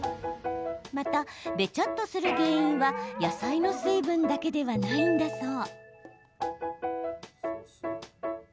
また、べちゃっとする原因は野菜の水分だけではないんだそう。